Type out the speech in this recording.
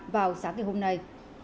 vào sáng ngày hôm nay